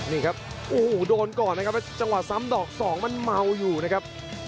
นี่ครับโอ้โหโดนก่อนนะครับแล้วจังหวะซ้ำดอกสองมันเมาอยู่นะครับ